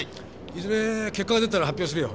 いずれ結果が出たら発表するよ。